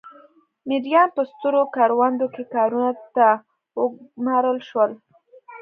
مریان په سترو کروندو کې کارونو ته وګومارل شول.